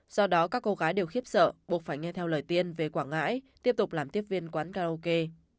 do đó các cô gái đều khiếp sợ buộc phải nghe theo lời tiên về quảng ngãi tiếp tục làm tiếp viên quán karaoke